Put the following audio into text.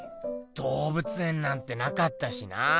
どうぶつ園なんてなかったしな。